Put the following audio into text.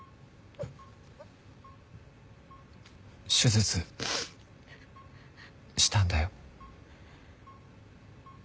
手術したんだよ。